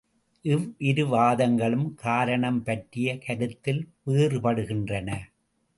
இவ்விரு வாதங்களும் காரணம் பற்றிய கருத்தில் வேறுபடுகின்றன.